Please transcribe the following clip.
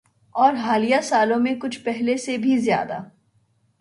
اورحالیہ سالوں میں کچھ پہلے سے بھی زیادہ۔